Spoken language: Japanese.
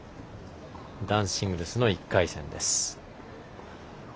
男子シングルスの１回戦です。